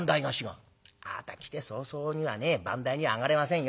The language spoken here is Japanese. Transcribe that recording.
「あなた来て早々にはね番台に上がれませんよ。